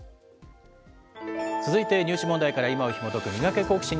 続いて入試問題から今をひもとくミガケ、好奇心！